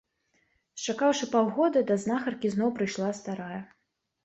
Счакаўшы паўгода, да знахаркі зноў прыйшла старая.